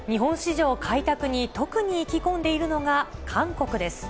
日本市場開拓に特に意気込んでいるのが、韓国です。